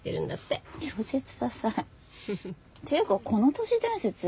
ていうかこの都市伝説